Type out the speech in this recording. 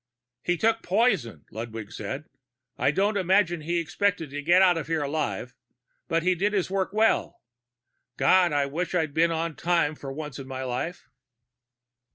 "He took poison," Ludwig said. "I don't imagine he expected to get out of here alive. But he did his work well. God, I wish I'd been on time for once in my life!"